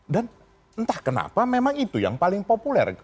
dan entah kenapa memang itu yang paling populer